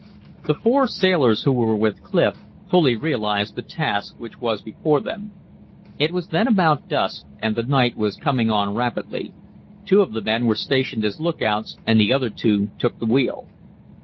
The four sailors who were with Clif fully realized the task which was before them. It was then about dusk, and the night was coming on rapidly. Two of the men were stationed as lookouts, and the other two took the wheel.